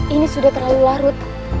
ini sudah terlalu larut